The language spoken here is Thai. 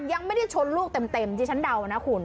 ยังไม่ได้ชนลูกเต็มที่ฉันเดานะคุณ